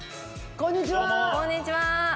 こんにちは。